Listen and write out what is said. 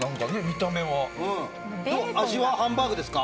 味はハンバーグですか？